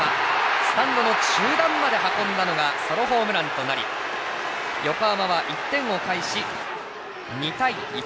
スタンドの中段まで運んだのがソロホームランとなり横浜は１点を返し、２対１。